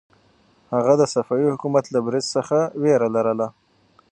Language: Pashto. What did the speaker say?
هغه د صفوي حکومت له برید څخه وېره لرله.